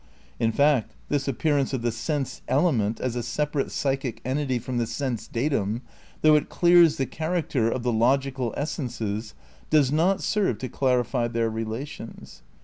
In fact this appearance of the sense element as a separate psychic entity from the sense datum, though it clears the character of the logical essences, does not serve to clarify their relations.